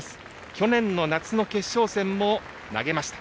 去年の夏の決勝戦も投げました。